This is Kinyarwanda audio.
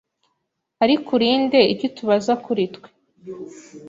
Ariko uri nde icyo utubaza kuri twe